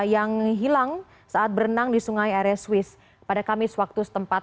yang hilang saat berenang di sungai area swiss pada kamis waktu setempat